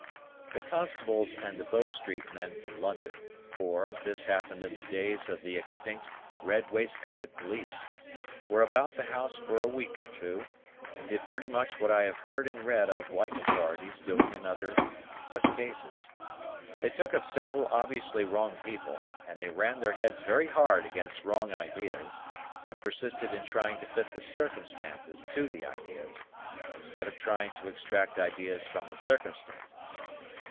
The Constables and the Bow Street men from London—for, this happened in the days of the extinct red waistcoated police—were about the house for a week or two, and did pretty much what I have heard and read of like authorities doing in other such cases. They took up several obviously wrong people, and they ran their heads very hard against wrong ideas, and persisted in trying to fit the circumstances to the ideas, instead of trying to extract ideas from the circumstances.